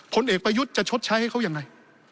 ผลเอกประยุทธ์จะชดใช้ให้เขายังไง